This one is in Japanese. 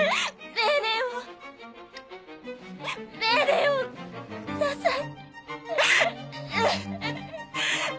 命令をください。